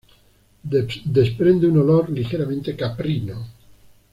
Desprende un olor ligeramente caprino.